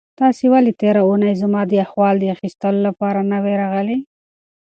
تاسو ولې تېره اونۍ زما د احوال اخیستلو لپاره نه وئ راغلي؟